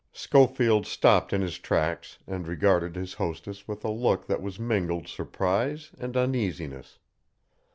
Schofield stopped in his tracks and regarded his hostess with a look that was mingled surprise and uneasiness.